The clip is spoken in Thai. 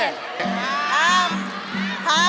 ทำ